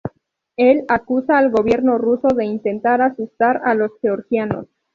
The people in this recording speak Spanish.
Él acusa al gobierno ruso de intentar asustar a los georgianos.